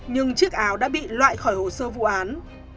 nhưng chiếc áo đã bị loại khỏi hồ sơ vụ án